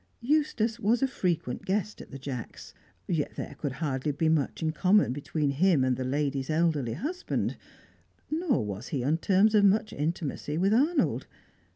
Eustace was a frequent guest at the Jacks'; yet there could hardly be much in common between him and the lady's elderly husband, nor was he on terms of much intimacy with Arnold.